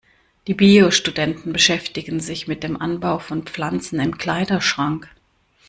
Die Bio-Studenten beschäftigen sich mit dem Anbau von Pflanzen im Kleiderschrank.